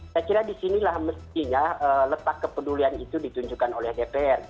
saya kira disinilah mestinya letak kepedulian itu ditunjukkan oleh dpr